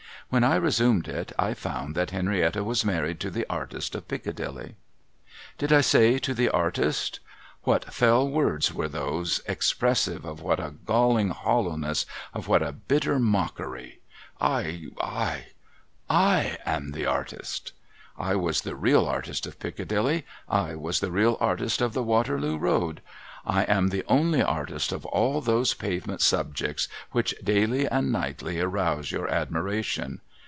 When I resumed it, I found that Henrietta was married to the artist of riccadilly. Did I say to the artist ? What fell words were those, expressive of wliat a galling hollowness, of what a bitter mockery ! I — I — I —• am the artist. I was the real artist of Piccadilly, I was the real artist of the W^aterloo Road, I am the only artist of all tliose pavement subjects which daily and nightly arouse your admiration.